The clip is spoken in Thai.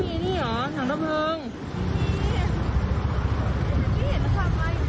ไม่เห็นเค้าขับมาอยู่ดียังไงดีอะ